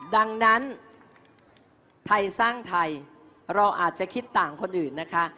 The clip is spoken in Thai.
ดังนั้นไทยสร้างไทยเราอาจจะคิดต่างคนอื่นนะคะ